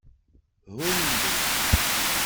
Hundu.